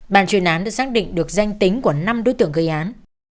bàn chuyên án đã xác định được danh tính của năm đối tượng gây án